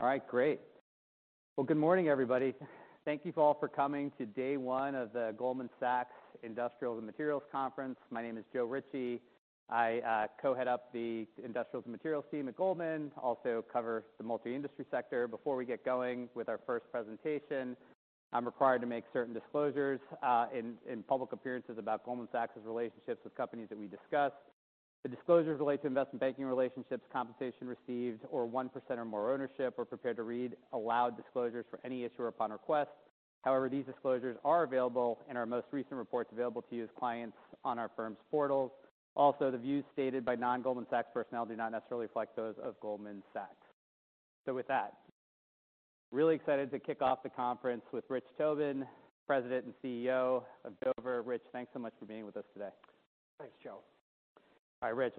All right, great. Well, good morning, everybody. Thank you all for coming to day one of the Goldman Sachs Industrials and Materials Conference. My name is Joe Ritchie. I co-head up the Industrials and Materials team at Goldman, also cover the multi-industry sector. Before we get going with our first presentation, I'm required to make certain disclosures in public appearances about Goldman Sachs's relationships with companies that we discuss. The disclosures relate to investment banking relationships, compensation received, or 1% or more ownership. We're prepared to read aloud disclosures for any issuer upon request. However, these disclosures are available in our most recent reports available to you as clients on our firm's portals. Also, the views stated by non-Goldman Sachs personnel do not necessarily reflect those of Goldman Sachs. With that, really excited to kick off the conference with Rich Tobin, President and CEO of Dover. Rich, thanks so much for being with us today. Thanks, Joe. All right, Rich.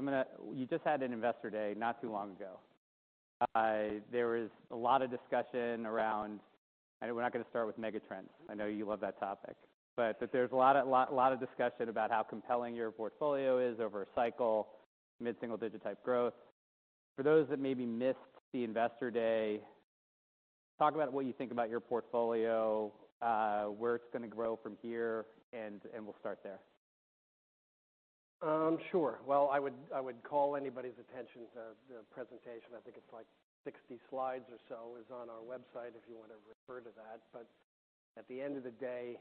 You just had an Investor Day not too long ago. I know we're not gonna start with mega trends. I know you love that topic. There was a lot of discussion about how compelling your portfolio is over a cycle, mid-single digit type growth. For those that maybe missed the Investor Day, talk about what you think about your portfolio, where it's gonna grow from here, and we'll start there. Sure. Well, I would call anybody's attention to the presentation. I think it's like 60 slides or so. It's on our website if you wanna refer to that. At the end of the day,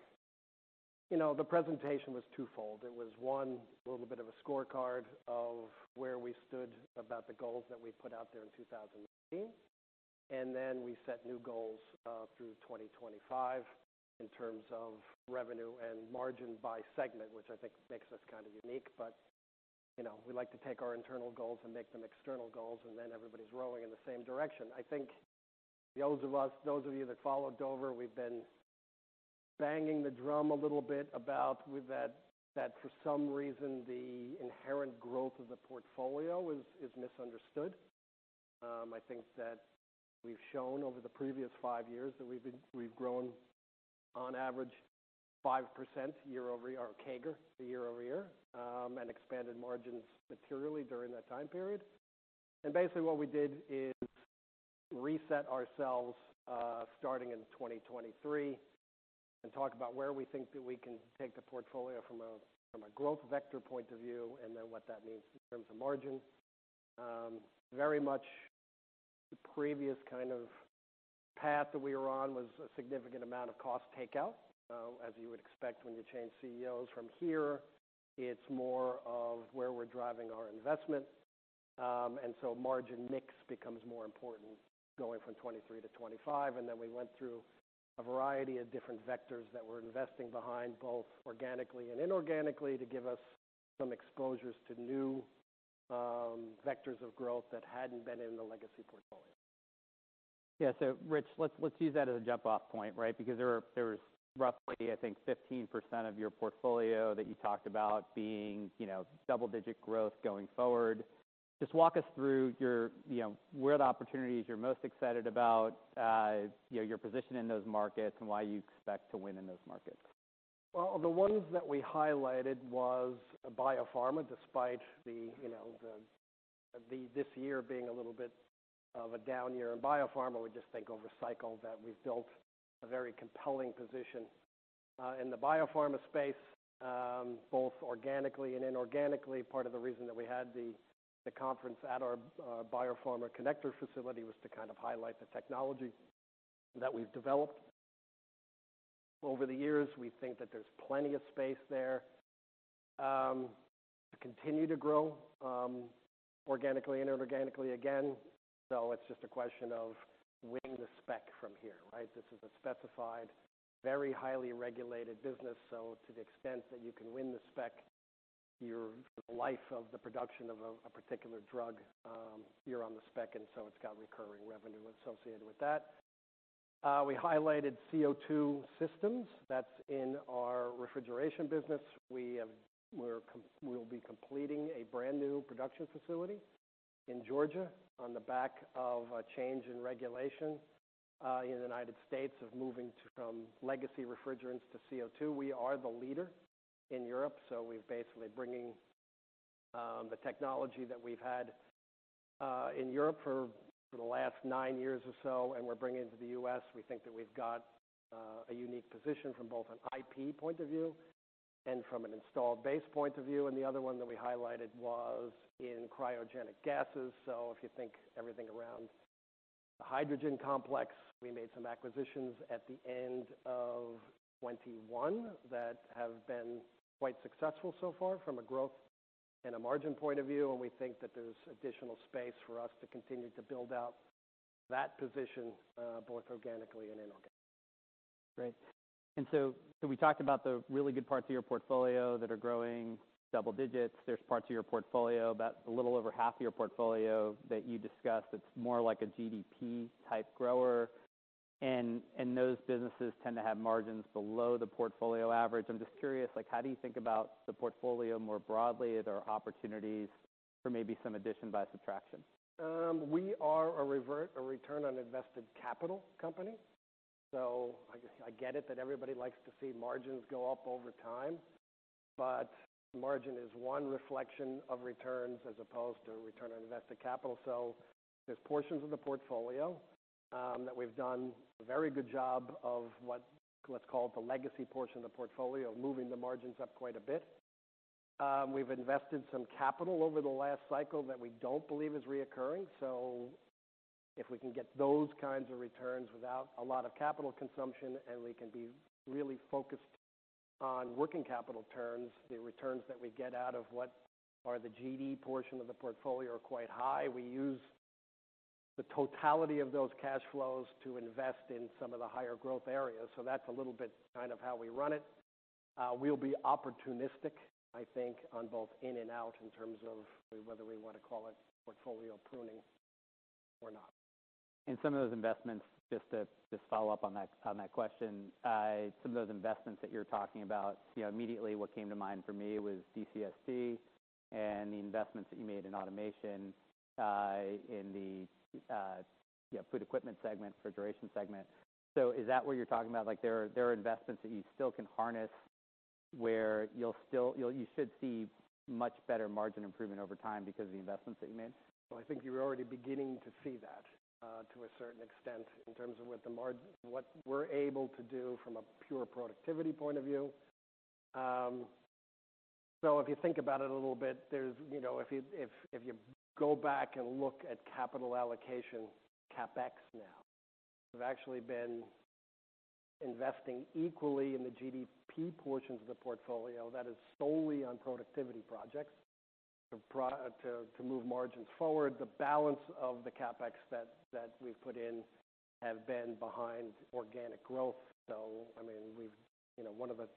you know, the presentation was twofold. It was one, a little bit of a scorecard of where we stood about the goals that we put out there in 2018. Then we set new goals through 2025 in terms of revenue and margin by segment, which I think makes us kind of unique. You know, we like to take our internal goals and make them external goals, and then everybody's rowing in the same direction. I think those of you that followed Dover, we've been banging the drum a little bit about that for some reason, the inherent growth of the portfolio is misunderstood. I think that we've shown over the previous five years that we've grown on average 5% year-over-year, or CAGR year-over-year, and expanded margins materially during that time period. Basically, what we did is reset ourselves, starting in 2023, and talk about where we think that we can take the portfolio from a growth vector point of view, and then what that means in terms of margin. Very much the previous kind of path that we were on was a significant amount of cost takeout, as you would expect when you change CEOs. From here, it's more of where we're driving our investment. Margin mix becomes more important going from 2023 to 2025. We went through a variety of different vectors that we're investing behind, both organically and inorganically, to give us some exposures to new, vectors of growth that hadn't been in the legacy portfolio. Rich, let's use that as a jump-off point, right? There's roughly, I think, 15% of your portfolio that you talked about being, you know, double-digit growth going forward. Walk us through your, you know, where the opportunities you're most excited about, you know, your position in those markets and why you expect to win in those markets? Well, the ones that we highlighted was biopharma. Despite the, you know, this year being a little bit of a down year in biopharma, we just think over cycle that we've built a very compelling position in the biopharma space, both organically and inorganically. Part of the reason that we had the conference at our biopharma connector facility was to kind of highlight the technology that we've developed over the years. We think that there's plenty of space there to continue to grow organically and inorganically again, so it's just a question of winning the spec from here, right? This is a specified, very highly regulated business. To the extent that you can win the spec, your life of the production of a particular drug, you're on the spec. It's got recurring revenue associated with that. We highlighted CO2 systems. That's in our refrigeration business. We'll be completing a brand-new production facility in Georgia on the back of a change in regulation in the United States of moving from legacy refrigerants to CO2. We are the leader in Europe, so we're basically bringing the technology that we've had in Europe for the last nine years or so, and we're bringing it to the U.S. We think that we've got a unique position from both an IP point of view and from an installed base point of view. The other one that we highlighted was in cryogenic gases. If you think everything around the hydrogen complex, we made some acquisitions at the end of 2021 that have been quite successful so far from a growth and a margin point of view, and we think that there's additional space for us to continue to build out that position, both organically and inorganically. Great. We talked about the really good parts of your portfolio that are growing double digits. There's parts of your portfolio, about a little over half of your portfolio that you discussed, it's more like a GDP type grower. Those businesses tend to have margins below the portfolio average. I'm just curious, like, how do you think about the portfolio more broadly? Are there opportunities for maybe some addition by subtraction? We are a return on invested capital company. I get it that everybody likes to see margins go up over time. But margin is one reflection of returns as opposed to return on invested capital. There's portions of the portfolio that we've done a very good job of let's call it the legacy portion of the portfolio, moving the margins up quite a bit. We've invested some capital over the last cycle that we don't believe is reoccurring. If we can get those kinds of returns without a lot of capital consumption, and we can be really focused on working capital returns, the returns that we get out of what are the GDP portion of the portfolio are quite high. We use the totality of those cash flows to invest in some of the higher growth areas. That's a little bit kind of how we run it. We'll be opportunistic, I think, on both in and out in terms of whether we wanna call it portfolio pruning or not. Some of those investments, just to, just follow up on that, on that question. Some of those investments that you're talking about, you know, immediately what came to mind for me was DESTACO and the investments that you made in automation, in the, you know, food equipment segment, refrigeration segment. Is that what you're talking about? Like, there are investments that you still can harness where you should see much better margin improvement over time because of the investments that you made. Well, I think you're already beginning to see that to a certain extent in terms of what we're able to do from a pure productivity point of view. If you think about it a little bit, there's, you know, if you go back and look at capital allocation, CapEx now, we've actually been investing equally in the GDP portions of the portfolio that is solely on productivity projects to move margins forward. The balance of the CapEx that we've put in have been behind organic growth. I mean, we've, you know, one of the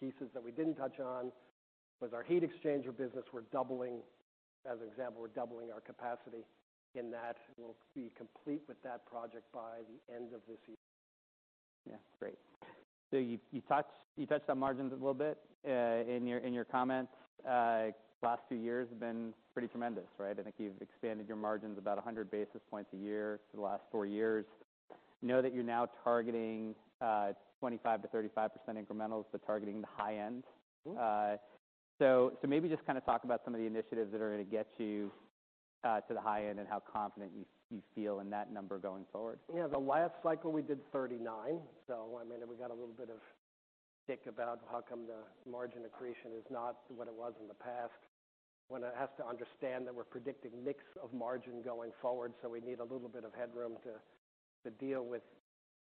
pieces that we didn't touch on was our heat exchanger business. As an example, we're doubling our capacity in that. We'll be complete with that project by the end of this year. Yeah. Great. You touched on margins a little bit, in your, in your comments. Last few years have been pretty tremendous, right? I think you've expanded your margins about 100 basis points a year for the last four years. Know that you're now targeting, 25%-35% incremental, so targeting the high end. Mm-hmm. Maybe just kinda talk about some of the initiatives that are gonna get you to the high end and how confident you feel in that number going forward? Yeah. The last cycle we did 39, so I mean, we got a little bit of stick about how come the margin accretion is not what it was in the past. One has to understand that we're predicting mix of margin going forward, so we need a little bit of headroom to deal with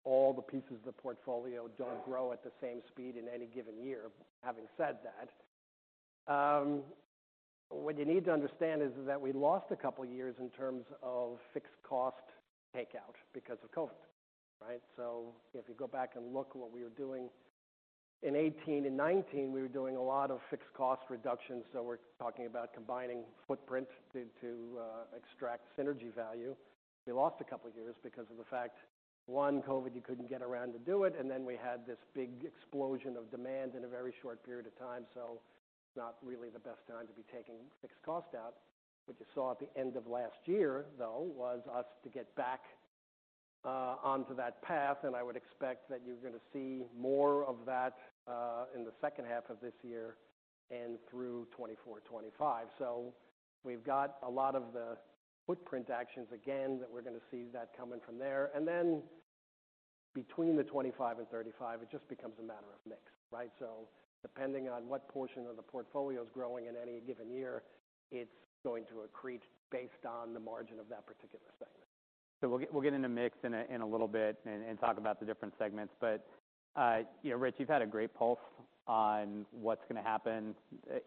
all the pieces of the portfolio don't grow at the same speed in any given year. Having said that, what you need to understand is that we lost a couple years in terms of fixed cost takeout because of COVID, right? If you go back and look what we were doing in 2018 and 2019, we were doing a lot of fixed cost reductions. We're talking about combining footprint to extract synergy value. We lost a couple years because of the fact, one, COVID, you couldn't get around to do it, we had this big explosion of demand in a very short period of time. Not really the best time to be taking fixed cost out. What you saw at the end of last year, though, was us to get back onto that path, I would expect that you're gonna see more of that in the second half of this year and through 2024, 2025. We've got a lot of the footprint actions again that we're gonna see that coming from there. Between the 25 and 35, it just becomes a matter of mix, right? Depending on what portion of the portfolio is growing in any given year, it's going to accrete based on the margin of that particular segment. We'll get into mix in a little bit and talk about the different segments, but, you know, Rich, you've had a great pulse on what's gonna happen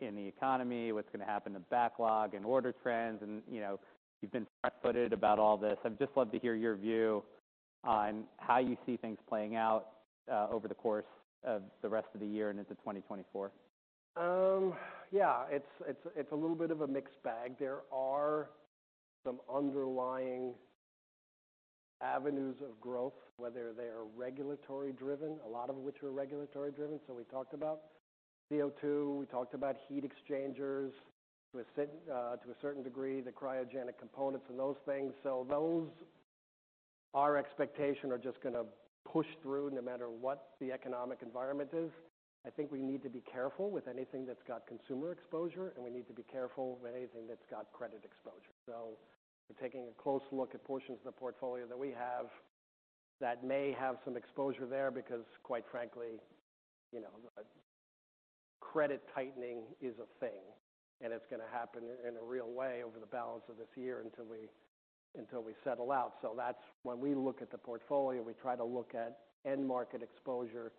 in the economy, what's gonna happen to backlog and order trends, and, you know, you've been front-footed about all this. I'd just love to hear your view on how you see things playing out over the course of the rest of the year and into 2024. Yeah. It's a little bit of a mixed bag. There are some underlying avenues of growth, whether they are regulatory driven, a lot of which are regulatory driven. We talked about CO2, we talked about heat exchangers to a certain degree, the cryogenic components and those things. Those, our expectation are just gonna push through no matter what the economic environment is. I think we need to be careful with anything that's got consumer exposure, and we need to be careful with anything that's got credit exposure. We're taking a close look at portions of the portfolio that we have that may have some exposure there because quite frankly, you know, credit tightening is a thing, and it's gonna happen in a real way over the balance of this year until we settle out. That's when we look at the portfolio, we try to look at end market exposure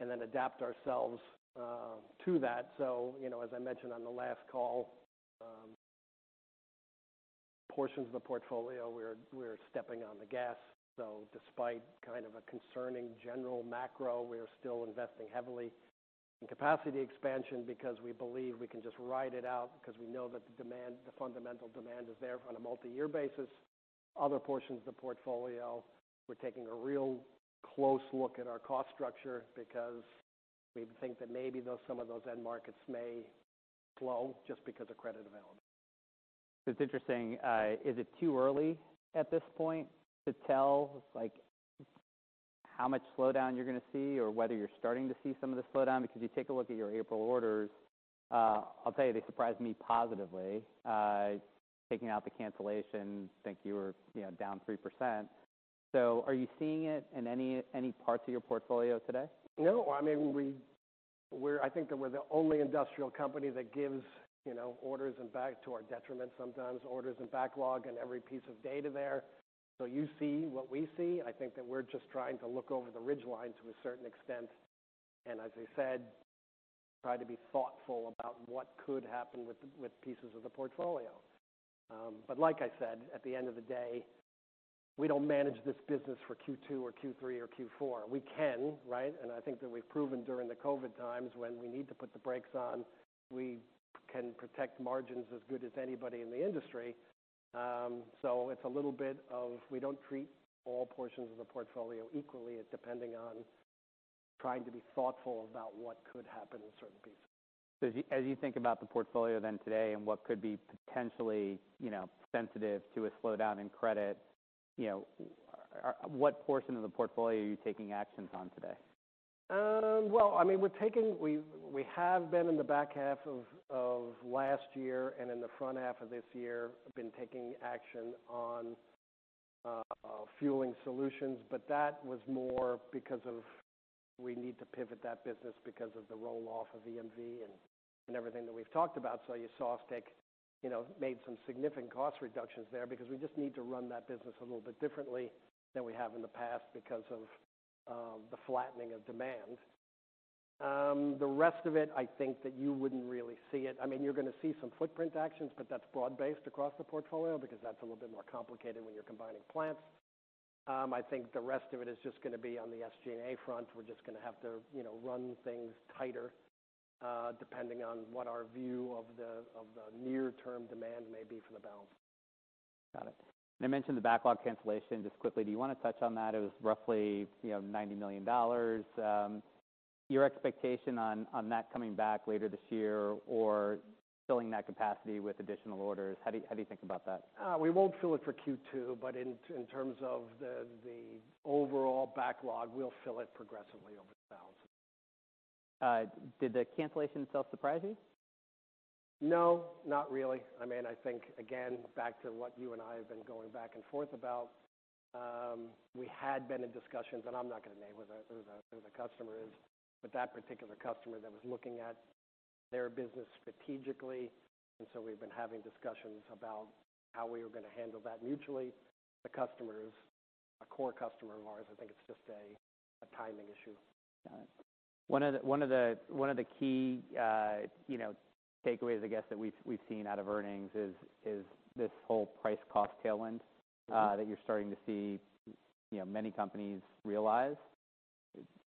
and then adapt ourselves to that. You know, as I mentioned on the last call, portions of the portfolio we're stepping on the gas. Despite kind of a concerning general macro, we are still investing heavily in capacity expansion because we believe we can just ride it out because we know that the demand, the fundamental demand is there on a multi-year basis. Other portions of the portfolio, we're taking a real close look at our cost structure because we think that maybe some of those end markets may slow just because of credit availability. It's interesting. Is it too early at this point to tell how much slowdown you're gonna see or whether you're starting to see some of the slowdown because you take a look at your April orders? I'll tell you, they surprised me positively. Taking out the cancellation, I think you were, you know, down 3%. Are you seeing it in any parts of your portfolio today? No. I mean, I think that we're the only industrial company that gives, you know, orders and back to our detriment sometimes, orders and backlog and every piece of data there. You see what we see. I think that we're just trying to look over the ridgeline to a certain extent, as I said, try to be thoughtful about what could happen with pieces of the portfolio. Like I said, at the end of the day, we don't manage this business for Q2 or Q3 or Q4. We can, right? I think that we've proven during the COVID times when we need to put the brakes on, we can protect margins as good as anybody in the industry. It's a little bit of we don't treat all portions of the portfolio equally. It's depending on trying to be thoughtful about what could happen in certain pieces. As you think about the portfolio then today and what could be potentially, you know, sensitive to a slowdown in credit, you know, what portion of the portfolio are you taking actions on today? Well, I mean, we have been in the back half of last year and in the front half of this year, been taking action on Fueling Solutions. That was more because of we need to pivot that business because of the roll-off of EMV and everything that we've talked about. You saw Stick, you know, made some significant cost reductions there because we just need to run that business a little bit differently than we have in the past because of the flattening of demand. The rest of it, I think that you wouldn't really see it. I mean, you're gonna see some footprint actions, but that's broad-based across the portfolio because that's a little bit more complicated when you're combining plants. I think the rest of it is just gonna be on the SG&A front. We're just gonna have to, you know, run things tighter, depending on what our view of the, of the near-term demand may be for the balance. Got it. I mentioned the backlog cancellation. Just quickly, do you wanna touch on that? It was roughly, you know, $90 million. Your expectation on that coming back later this year or filling that capacity with additional orders, how do you think about that? We won't fill it for Q2, but in terms of the overall backlog, we'll fill it progressively over the balance. Did the cancellation itself surprise you? No, not really. I mean, I think, again, back to what you and I have been going back and forth about, we had been in discussions. I'm not gonna name who the customer is, but that particular customer that was looking at their business strategically. We've been having discussions about how we are gonna handle that mutually. The customer is a core customer of ours. I think it's just a timing issue. Got it. One of the key, you know, takeaways, I guess, that we've seen out of earnings is this whole price cost tailwind. Mm-hmm.... that you're starting to see, you know, many companies realize.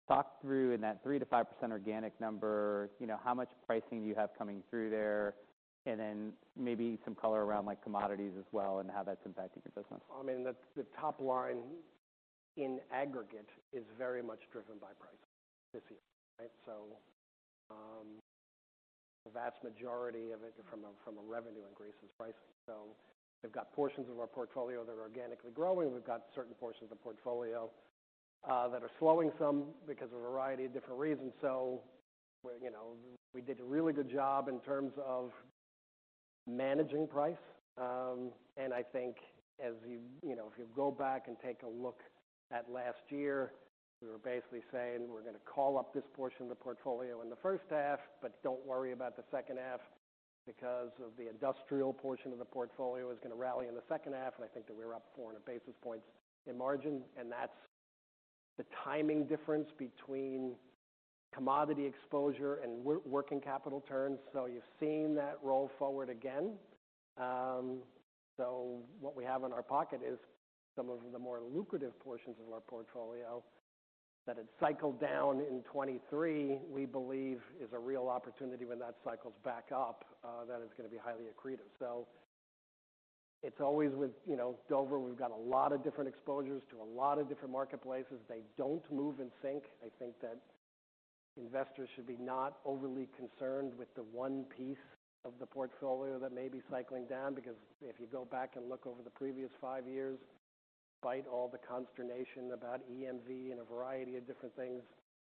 Talk through in that 3%-5% organic number, you know, how much pricing do you have coming through there? Maybe some color around like commodities as well and how that's impacting your business. I mean, the top line in aggregate is very much driven by price this year, right? The vast majority of it from a revenue increase is pricing. We've got portions of our portfolio that are organically growing. We've got certain portions of portfolio that are slowing some because of a variety of different reasons. You know, we did a really good job in terms of managing price. I think as you know, if you go back and take a look at last year, we were basically saying, "We're gonna call up this portion of the portfolio in the first half, but don't worry about the second half because of the industrial portion of the portfolio is gonna rally in the second half." I think that we're up 400 basis points in margin, and that's the timing difference between commodity exposure and working capital turns. You're seeing that roll forward again. What we have in our pocket is some of the more lucrative portions of our portfolio that had cycled down in 23, we believe is a real opportunity when that cycles back up, that is gonna be highly accretive. It's always with, you know, Dover, we've got a lot of different exposures to a lot of different marketplaces. They don't move in sync. I think that investors should be not overly concerned with the one piece of the portfolio that may be cycling down. If you go back and look over the previous five years, despite all the consternation about EMV and a variety of different things,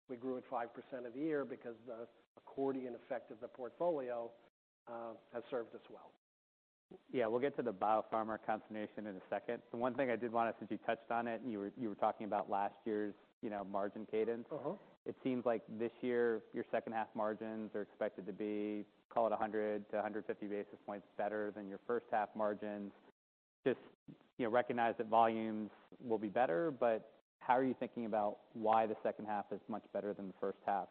we grew at 5% a year because the accordion effect of the portfolio has served us well. Yeah. We'll get to the biopharma consternation in a second. The one thing I did want to, since you touched on it, and you were, you were talking about last year's, you know, margin cadence. Mm-hmm. It seems like this year, your second half margins are expected to be, call it 100-150 basis points better than your first half margins. You know, recognize that volumes will be better, but how are you thinking about why the second half is much better than the first half?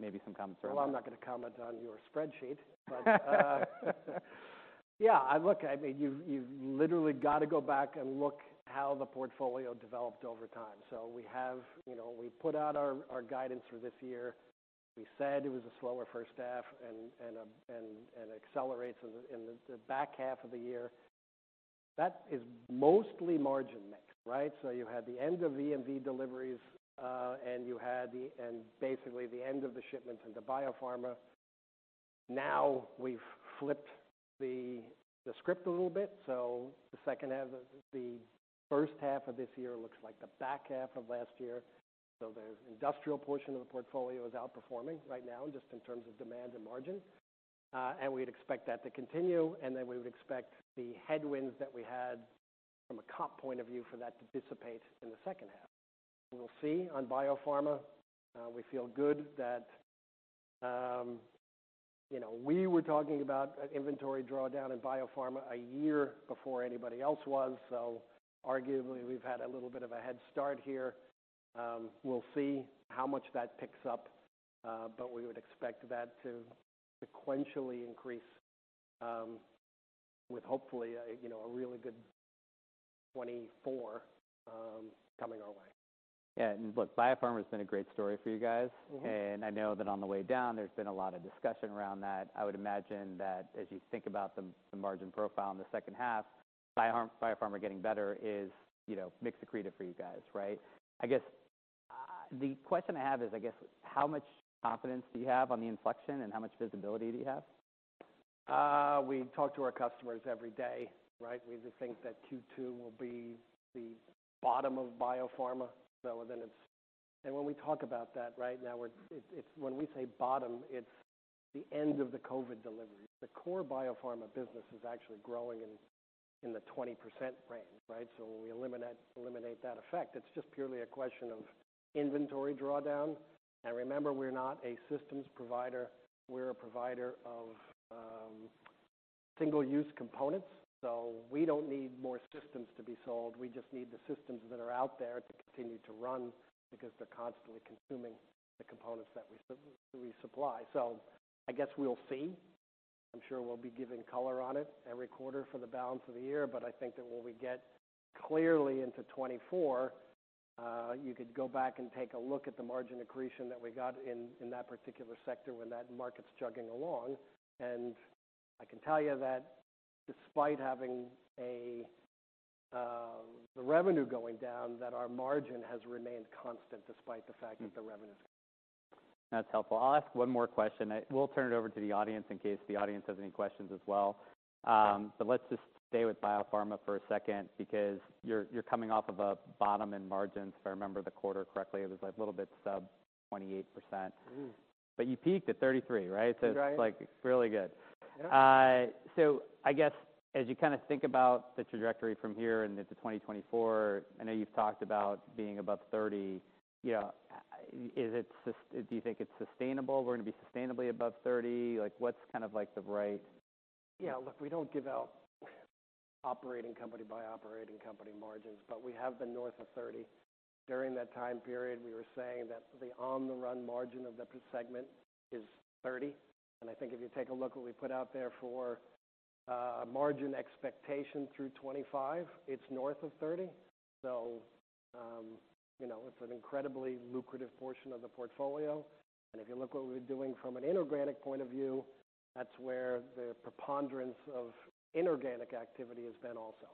Maybe some commentary on that. Well, I'm not gonna comment on your spreadsheet. Yeah. I mean, you've literally got to go back and look how the portfolio developed over time. We have, you know, we put out our guidance for this year. We said it was a slower first half and accelerates in the back half of the year. That is mostly margin mix, right? You had the end of EMV deliveries and basically the end of the shipment into biopharma. Now we've flipped the script a little bit. The first half of this year looks like the back half of last year. The industrial portion of the portfolio is outperforming right now, just in terms of demand and margin. We'd expect that to continue, and then we would expect the headwinds that we had from a comp point of view for that to dissipate in the second half. We'll see on biopharma. We feel good that, you know, we were talking about an inventory drawdown in biopharma a year before anybody else was. Arguably, we've had a little bit of a head start here. We'll see how much that picks up, but we would expect that to sequentially increase, with hopefully a, you know, a really good 2024, coming our way. Yeah. Look, biopharma's been a great story for you guys. Mm-hmm. I know that on the way down, there's been a lot of discussion around that. I would imagine that as you think about the margin profile in the second half, biopharma getting better is, you know, mix accretive for you guys, right? I guess, the question I have is, I guess, how much confidence do you have on the inflection, and how much visibility do you have? We talk to our customers every day, right? We just think that Q2 will be the bottom of biopharma. When we say bottom, it's the end of the COVID delivery. The core biopharma business is actually growing in the 20% range, right? When we eliminate that effect, it's just purely a question of inventory drawdown. Remember, we're not a systems provider. We're a provider of single-use components. We don't need more systems to be sold. We just need the systems that are out there to continue to run because they're constantly consuming the components that we supply. I guess we'll see. I'm sure we'll be giving color on it every quarter for the balance of the year. I think that when we get clearly into 2024, you could go back and take a look at the margin accretion that we got in that particular sector when that market's chugging along. I can tell you that despite having a, the revenue going down, that our margin has remained constant despite the fact that the revenue. That's helpful. I'll ask one more question. We'll turn it over to the audience in case the audience has any questions as well. Yeah. Let's just stay with biopharma for a second because you're coming off of a bottom in margins. If I remember the quarter correctly, it was, like, a little bit sub 28%. Ooh. you peaked at 33, right? Right. It's, like, really good. Yeah. I guess as you kinda think about the trajectory from here into 2024, I know you've talked about being above 30. You know, Do you think it's sustainable? We're gonna be sustainably above 30. Like, what's kind of like the right- Yeah. Look, we don't give out operating company by operating company margins, but we have been north of 30. During that time period, we were saying that the on the run margin of the segment is 30. I think if you take a look at what we put out there for, margin expectation through 2025, it's north of 30. You know, it's an incredibly lucrative portion of the portfolio. If you look what we're doing from an inorganic point of view, that's where the preponderance of inorganic activity has been also.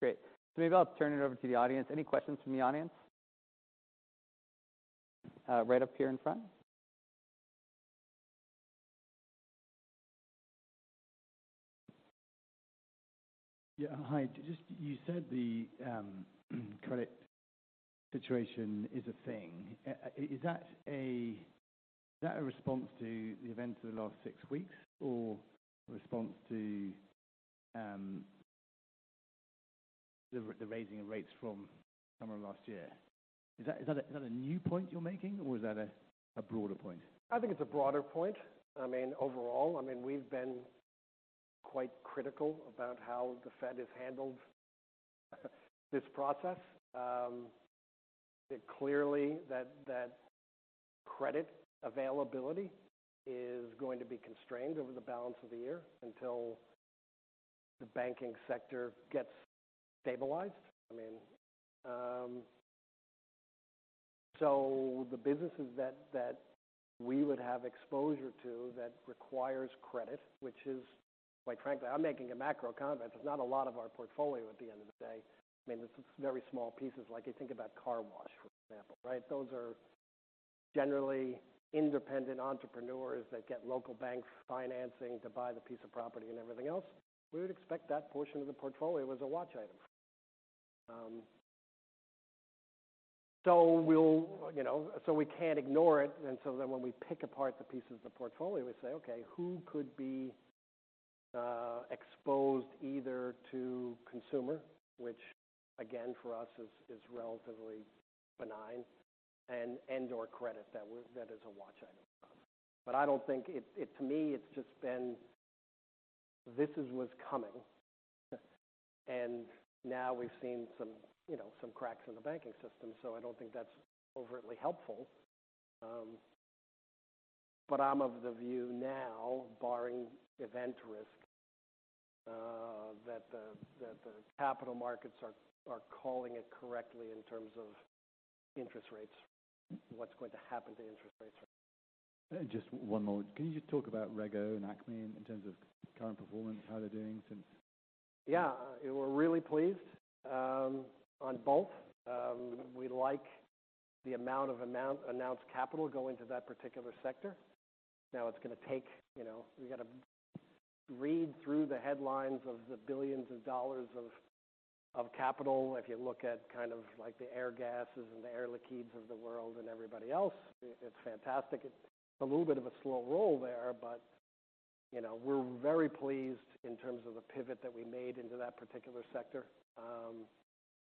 Great. Maybe I'll turn it over to the audience. Any questions from the audience? Right up here in front. Yeah. Hi. You said the credit situation is a thing. Is that a response to the events of the last six weeks or a response to the raising of rates from summer of last year? Is that a new point you're making or is that a broader point? I think it's a broader point. I mean, overall. I mean, we've been quite critical about how the Fed has handled this process. It clearly that credit availability is going to be constrained over the balance of the year until the banking sector gets stabilized. The businesses that we would have exposure to that requires credit, which is, quite frankly, I'm making a macro comment. There's not a lot of our portfolio at the end of the day. I mean, it's very small pieces. Like you think about car wash, for example, right? Those are generally independent entrepreneurs that get local bank financing to buy the piece of property and everything else. We would expect that portion of the portfolio as a watch item. We'll, you know, so we can't ignore it. When we pick apart the pieces of the portfolio, we say, "Okay, who could be exposed either to consumer," which again, for us is relatively benign, and/or credit that is a watch item for us. I don't think. To me, it's just been, "This is what's coming." Now we've seen some, you know, some cracks in the banking system, so I don't think that's overtly helpful. I'm of the view now barring event risk, that the capital markets are calling it correctly in terms of interest rates, what's going to happen to interest rates. Just one more. Can you just talk about RegO and Acme in terms of current performance, how they're doing since? Yeah. We're really pleased, on both. We like the amount of announced capital going to that particular sector. Now it's gonna take... You know, we gotta read through the headlines of the billions of dollars of capital. If you look at kind of like the Airgas and the Air Liquide of the world and everybody else, it's fantastic. It's a little bit of a slow roll there, but, you know, we're very pleased in terms of the pivot that we made into that particular sector.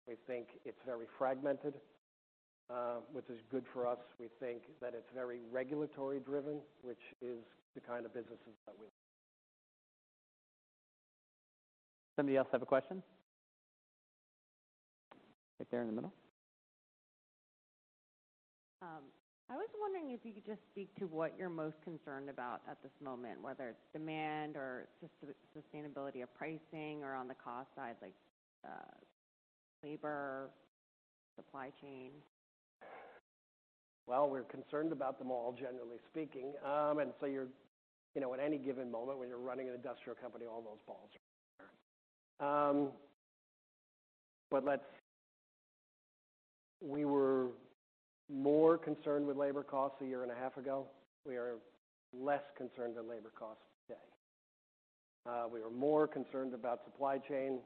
We think it's very fragmented, which is good for us. We think that it's very regulatory driven, which is the kind of businesses that we- Somebody else have a question? Right there in the middle. I was wondering if you could just speak to what you're most concerned about at this moment, whether it's demand or sustainability of pricing or on the cost side, like, labor, supply chain? Well, we're concerned about them all, generally speaking. You know, at any given moment when you're running an industrial company, all those balls are up in the air. We were more concerned with labor costs a year and a half ago. We are less concerned with labor costs today. We were more concerned about supply chain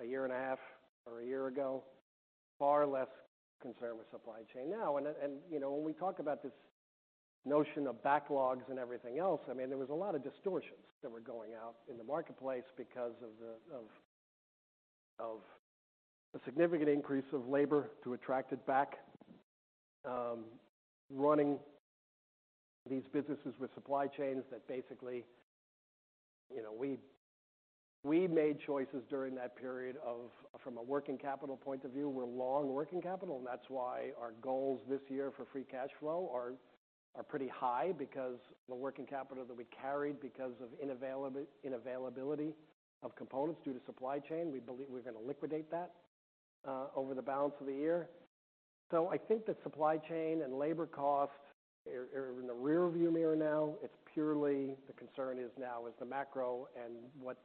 a year and a half or a year ago. Far less concerned with supply chain now. You know, when we talk about this notion of backlogs and everything else, I mean, there was a lot of distortions that were going out in the marketplace because of the, of a significant increase of labor to attract it back. Running these businesses with supply chains that basically, you know, we made choices during that period of, from a working capital point of view, we're long working capital, and that's why our goals this year for free cash flow are pretty high because the working capital that we carried because of inavailability of components due to supply chain, we believe we're gonna liquidate that over the balance of the year. I think that supply chain and labor costs are in the rear view mirror now. It's purely the concern is now is the macro and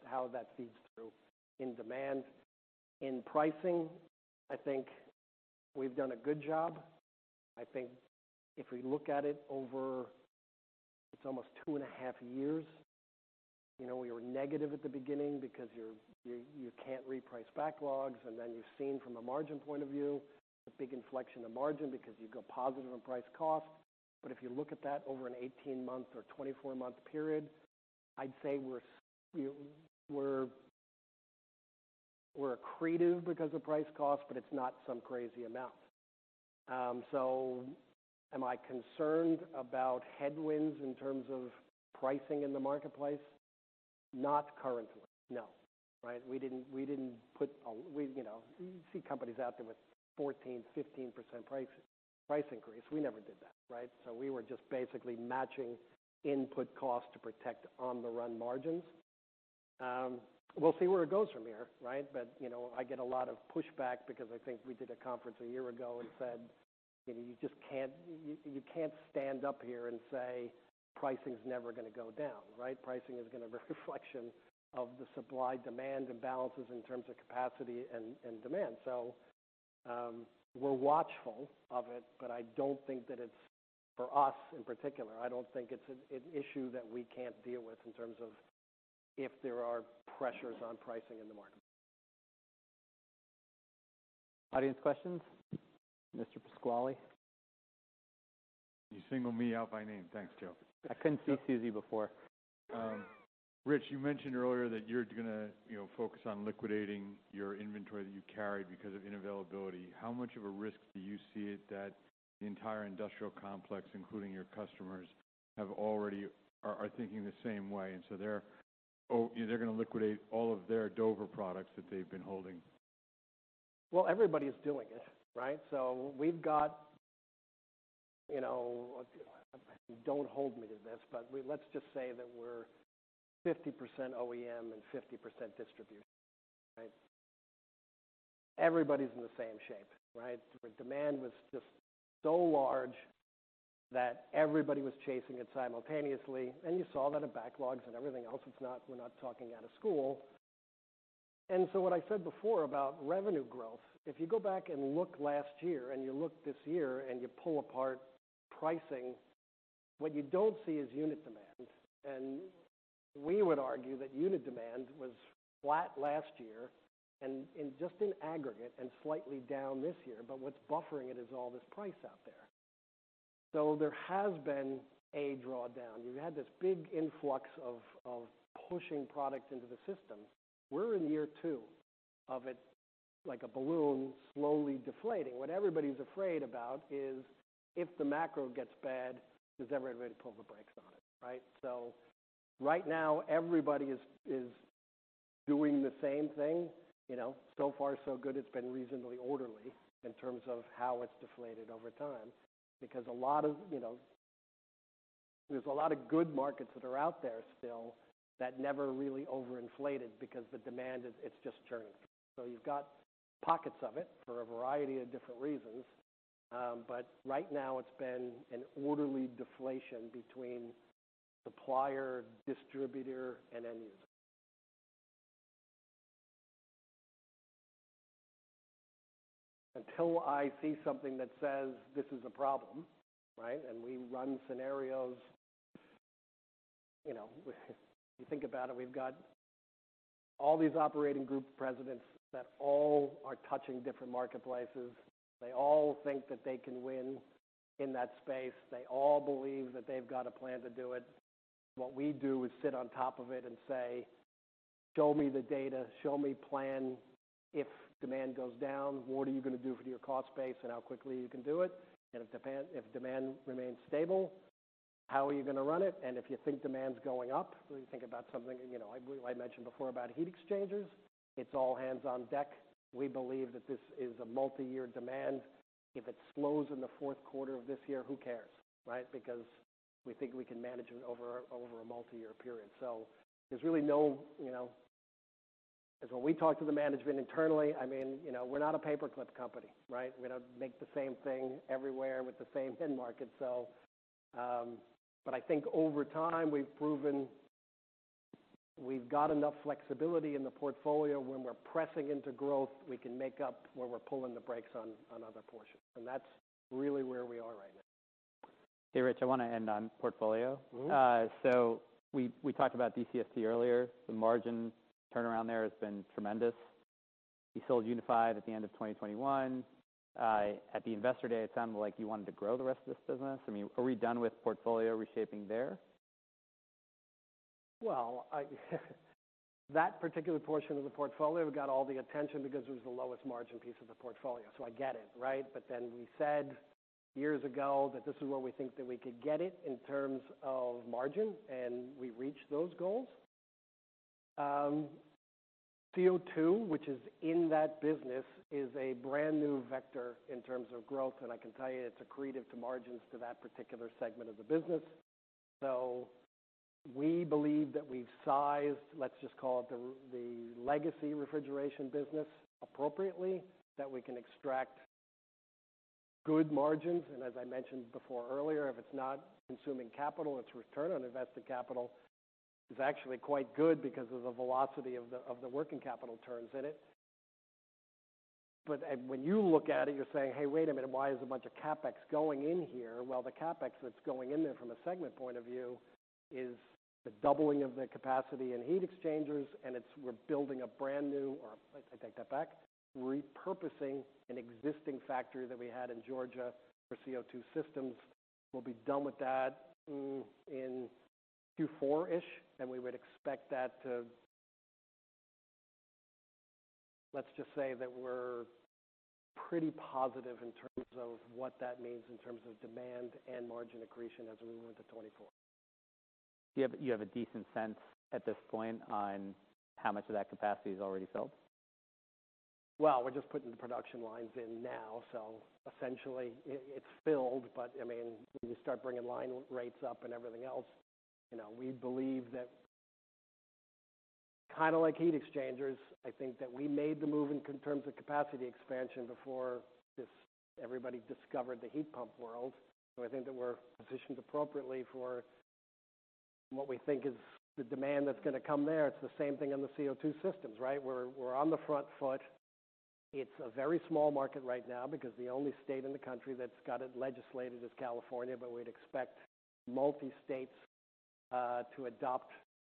how that feeds through in demand. In pricing, I think we've done a good job. I think if we look at it over, it's almost two and a half years, you know, we were negative at the beginning because you can't reprice backlogs. You've seen from a margin point of view, a big inflection of margin because you go positive on price cost. If you look at that over an 18-month or 24-month period, I'd say we're accretive because of price cost, but it's not some crazy amount. Am I concerned about headwinds in terms of pricing in the marketplace? Not currently, no. Right. We didn't. We, you know, you see companies out there with 14%, 15% price increase. We never did that, right. We were just basically matching input costs to protect on-the-run margins. We'll see where it goes from here, right. You know, I get a lot of pushback because I think we did a conference a year ago and said, you know, you just can't, you can't stand up here and say pricing's never gonna go down, right? Pricing is gonna be a reflection of the supply-demand imbalances in terms of capacity and demand. We're watchful of it, but I don't think that it's, for us in particular, I don't think it's an issue that we can't deal with in terms of if there are pressures on pricing in the market. Audience questions. Mr. Pasquale. You singled me out by name. Thanks, Joe. I couldn't see Suzy before. Rich, you mentioned earlier that you're gonna, you know, focus on liquidating your inventory that you carried because of unavailability. How much of a risk do you see it that the entire industrial complex, including your customers, are thinking the same way, and so they're gonna liquidate all of their Dover products that they've been holding? Well, everybody's doing it, right? We've got, you know, don't hold me to this, but let's just say that we're 50% OEM and 50% distributor, right? Everybody's in the same shape, right? Demand was just so large that everybody was chasing it simultaneously, and you saw a lot of backlogs and everything else. It's not, we're not talking out of school. What I said before about revenue growth, if you go back and look last year and you look this year and you pull apart pricing, what you don't see is unit demand. We would argue that unit demand was flat last year and in just in aggregate and slightly down this year, but what's buffering it is all this price out there. There has been a drawdown. You had this big influx of pushing product into the system. We're in year two of it, like a balloon slowly deflating. What everybody's afraid about is if the macro gets bad, does everybody pull the brakes on it, right? Right now, everybody is doing the same thing. You know, so far so good, it's been reasonably orderly in terms of how it's deflated over time. Because a lot of, you know, there's a lot of good markets that are out there still that never really overinflated because the demand is, it's just churning. You've got pockets of it for a variety of different reasons. Right now it's been an orderly deflation between supplier, distributor, and end user. Until I see something that says this is a problem, right? We run scenarios, you know, if you think about it, we've got all these operating group presidents that all are touching different marketplaces. They all think that they can win in that space. They all believe that they've got a plan to do it. What we do is sit on top of it and say, "Show me the data. Show me plan. If demand goes down, what are you gonna do for your cost base and how quickly you can do it? And if demand remains stable, how are you gonna run it? And if you think demand's going up, really think about something." You know, I mentioned before about heat exchangers. It's all hands on deck. We believe that this is a multi-year demand. If it slows in the fourth quarter of this year, who cares, right? Because we think we can manage it over a multi-year period. There's really no, you know... When we talk to the management internally, I mean, you know, we're not a paperclip company, right? We don't make the same thing everywhere with the same end market. But I think over time, we've proven we've got enough flexibility in the portfolio when we're pressing into growth, we can make up where we're pulling the brakes on other portions. That's really where we are right now. Hey, Rich, I wanna end on portfolio. Mm-hmm. We, we talked about DCFC earlier. The margin turnaround there has been tremendous. You sold Unified at the end of 2021. At the Investor Day, it sounded like you wanted to grow the rest of this business. I mean, are we done with portfolio reshaping there? That particular portion of the portfolio got all the attention because it was the lowest margin piece of the portfolio. I get it, right? We said years ago that this is where we think that we could get it in terms of margin, and we reached those goals. CO2, which is in that business, is a brand-new vector in terms of growth, and I can tell you it's accretive to margins to that particular segment of the business. We believe that we've sized, let's just call it the legacy refrigeration business appropriately, that we can extract good margins. As I mentioned before earlier, if it's not consuming capital, its return on invested capital is actually quite good because of the velocity of the, of the working capital turns in it. When you look at it, you're saying, "Hey, wait a minute. Why is a bunch of CapEx going in here?" Well, the CapEx that's going in there from a segment point of view is the doubling of the capacity in heat exchangers. I take that back. Repurposing an existing factory that we had in Georgia for CO2 systems. We'll be done with that in Q4-ish. Let's just say that we're pretty positive in terms of what that means in terms of demand and margin accretion as we move into 2024. You have a decent sense at this point on how much of that capacity is already filled? We're just putting the production lines in now, essentially it's filled. I mean, when you start bringing line rates up and everything else, you know, we believe that kinda like heat exchangers, I think that we made the move in terms of capacity expansion before this, everybody discovered the heat pump world. I think that we're positioned appropriately for what we think is the demand that's gonna come there. It's the same thing on the CO2 systems, right? We're on the front foot. It's a very small market right now because the only state in the country that's got it legislated is California, but we'd expect multi-states to adopt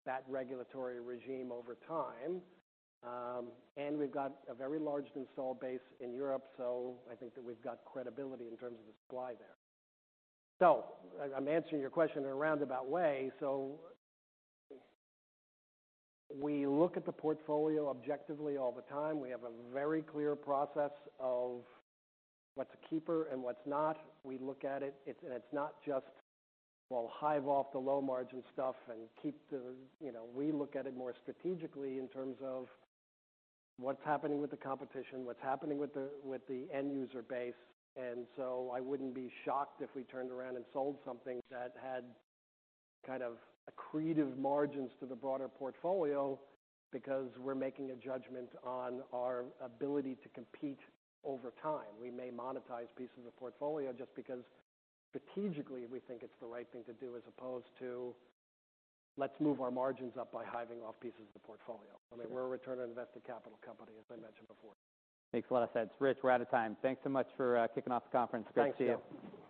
that regulatory regime over time. We've got a very large install base in Europe, so I think that we've got credibility in terms of the supply there. I'm answering your question in a roundabout way. We look at the portfolio objectively all the time. We have a very clear process of what's a keeper and what's not. We look at it. It's not just, well, hive off the low margin stuff and keep the. You know, we look at it more strategically in terms of what's happening with the competition, what's happening with the end user base. I wouldn't be shocked if we turned around and sold something that had kind of accretive margins to the broader portfolio because we're making a judgment on our ability to compete over time. We may monetize pieces of portfolio just because strategically we think it's the right thing to do as opposed to, let's move our margins up by hiving off pieces of the portfolio. I mean, we're a return on invested capital company, as I mentioned before. Makes a lot of sense. Rich, we're out of time. Thanks so much for kicking off the conference. Great to see you. Thanks, Joe.